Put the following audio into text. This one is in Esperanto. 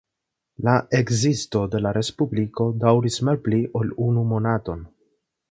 La ekzisto de la respubliko daŭris malpli ol unu monaton.